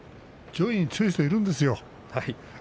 上位に強い人はいるんですよ。